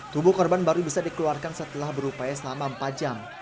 tubuh korban baru bisa dikeluarkan setelah berupaya selama empat jam